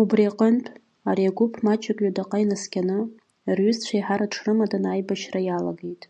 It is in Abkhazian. Убри аҟнытә, ари агәыԥ маҷк ҩадаҟа инаскьаны, рҩызцәа иаҳа рыҽрымаданы аибашьра иалагеит.